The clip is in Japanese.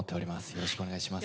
よろしくお願いします。